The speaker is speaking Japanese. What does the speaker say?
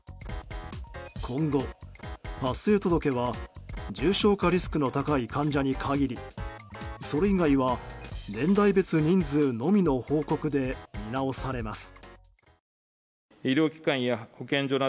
今後、発生届は重症化リスクの高い患者に限りそれ以外は年代別人数のみの報告で見直されます。